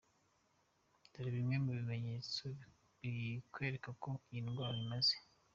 Dore bimwe mu bimenyetso bikwereka ko iyi ndwara imaze